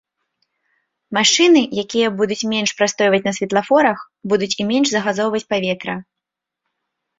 Машыны, якія будуць менш прастойваць на светлафорах, будуць і менш загазоўваць паветра.